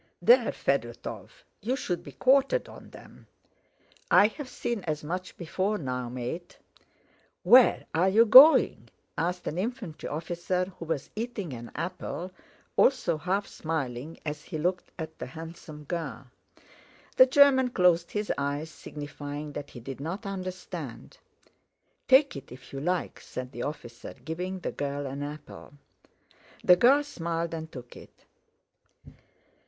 "There, Fedótov, you should be quartered on them!" "I have seen as much before now, mate!" "Where are you going?" asked an infantry officer who was eating an apple, also half smiling as he looked at the handsome girl. The German closed his eyes, signifying that he did not understand. "Take it if you like," said the officer, giving the girl an apple. The girl smiled and took it.